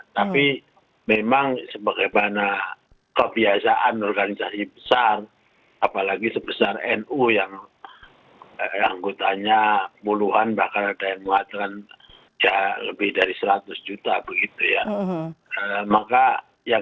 tapi memang sebagaimana kebiasaan organisasi besar apalagi sebesar nu yang anggotanya puluhan bahkan ada yang mengatakan lebih dari seratus juta begitu ya